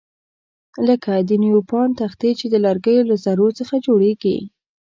لکه د نیوپان تختې چې د لرګیو له ذرو څخه جوړیږي.